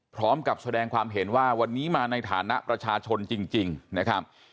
พร้อมกับแสดงความเห็นว่าวันนี้มาในฐานะประชาชนจริงนะครับ